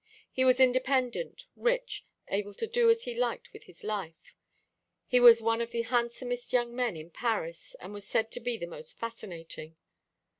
He was independent, rich, able to do as he liked with his life. He was one of the handsomest young men in Paris, and was said to be the most fascinating.